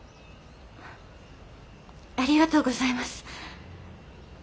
ありがとうございます。